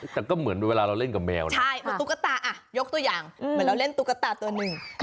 แต่ก็เหมือนเวลาเราเล่นกับแมวนะใช่เหมือนตุ๊กตายอ่ะยกตัวอย่างเหมือนเราเล่นตุ๊กตาตัวหนึ่ง